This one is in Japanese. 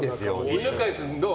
犬飼君どう？